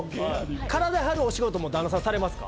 体張るお仕事も、旦那さんされますか？